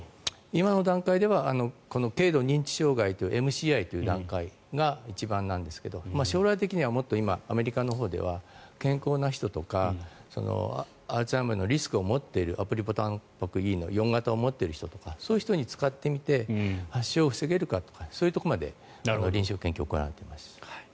今の段階では軽度認知障害ＭＣＩという段階が一番なんですけど将来的にはアメリカのほうでは健康な人とかアルツハイマーのリスクを持っているあるたんぱくの４型を持っている人とかそういう人に使ってみて発症を防げるかとかそういうところまで臨床研究が行われています。